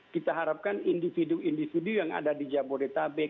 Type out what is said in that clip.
kita harapkan individu individu yang ada di jabodetabek